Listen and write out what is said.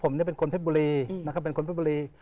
ผมเป็นคนเพชรบุรีนะครับเป็นคนเพชรบุรี